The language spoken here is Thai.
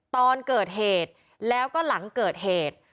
ตอนเกิดเหตุแล้วก็หลังเกิดเหตุ